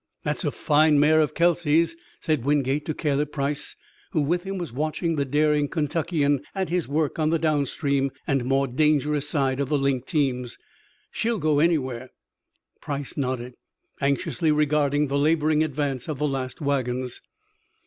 "That's a fine mare of Kelsey's," said Wingate to Caleb Price, who with him was watching the daring Kentuckian at his work on the downstream and more dangerous side of the linked teams. "She'll go anywhere." Price nodded, anxiously regarding the laboring advance of the last wagons.